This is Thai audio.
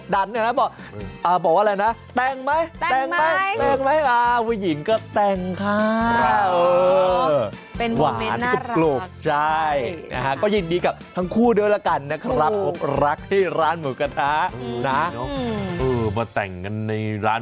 ดันเนี่ยนะบอกว่าอะไรนะแต่งมั้ย